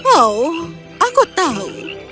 oh aku tahu